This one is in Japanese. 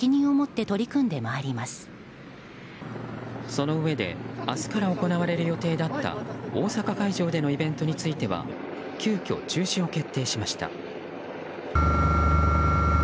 そのうえで明日から行われる予定だった大阪会場でのイベントについては急きょ、中止を決定しました。